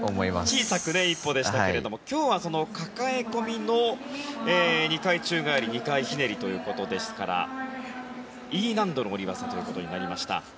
小さく１歩でしたが今日は抱え込みの２回宙返り２回ひねりということですからＥ難度の下り技となりました。